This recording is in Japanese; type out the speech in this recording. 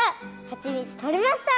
はちみつとれました！